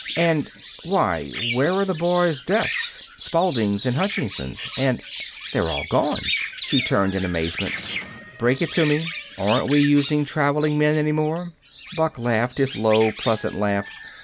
And why, where are the boys' desks? Spalding's and Hutchinson's, and they're all gone!" She turned in amazement. "Break it to me! Aren't we using traveling men any more?" Buck laughed his low, pleasant laugh.